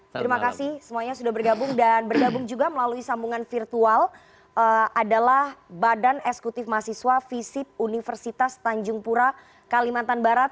terima kasih semuanya sudah bergabung dan bergabung juga melalui sambungan virtual adalah badan eksekutif mahasiswa visip universitas tanjung pura kalimantan barat